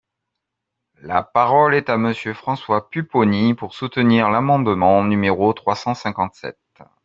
La parole est à Monsieur François Pupponi, pour soutenir l’amendement numéro trois cent cinquante-sept.